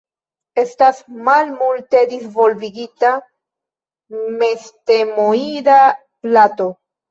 Estas malmulte disvolvigita mestemoida plato.